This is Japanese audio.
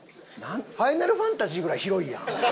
『ファイナルファンタジー』ぐらい広いやん。